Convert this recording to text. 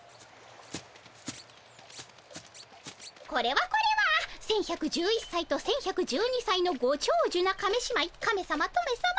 これはこれは１，１１１さいと１，１１２さいのごちょうじゅな亀姉妹カメさまトメさま。